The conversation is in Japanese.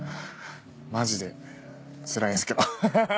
マジでつらいんすけどハハハ！